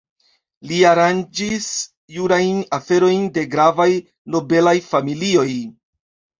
Li aranĝis jurajn aferojn de gravaj nobelaj familioj.